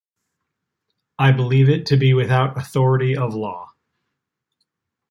I believe it to be without authority of law.